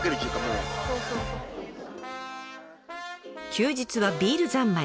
休日はビール三昧。